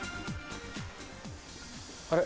あれ？